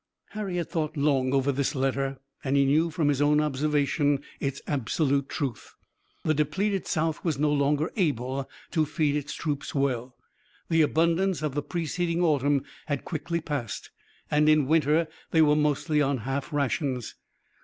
Harry had thought long over this letter and he knew from his own observation its absolute truth. The depleted South was no longer able to feed its troops well. The abundance of the preceding autumn had quickly passed, and in winter they were mostly on half rations.